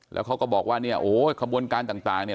แล้วเขาก็บอกว่าเนี่ยโอ้โหขบวนการต่างเนี่ย